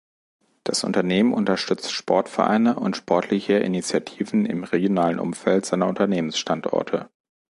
Das Unternehmen unterstützt Sportvereine und sportliche Initiativen im regionalen Umfeld seiner Unternehmens-Standorte.